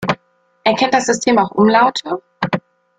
Erkennt das System auch Umlaute?